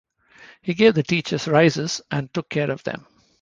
He gave the teachers raises and took care of them.